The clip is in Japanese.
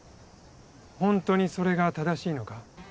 ホントにそれが正しいのか？